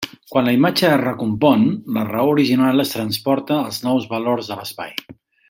Quan la imatge es recompon, la raó original es transporta als nous valors de l'espai.